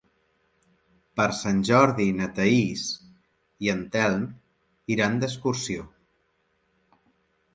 Per Sant Jordi na Thaís i en Telm iran d'excursió.